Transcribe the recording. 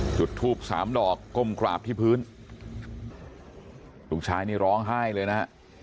จุดทูบสามดอกก้มกราบที่พื้นลูกชายนี่ร้องไห้เลยนะฮะ